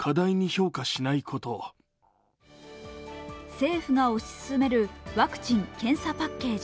政府が推し進めるワクチン・検査パッケージ。